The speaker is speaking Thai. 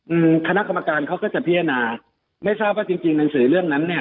อืมคณะกรรมการเขาก็จะพิจารณาไม่ทราบว่าจริงจริงหนังสือเรื่องนั้นเนี้ย